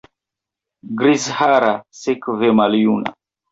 Grizhara, sekve maljuna!